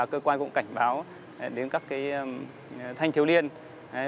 cơ quan cũng cảnh báo các thanh thiếu liên đang ngồi trong ghế nhà trường nghiêm trình chấp hành pháp luật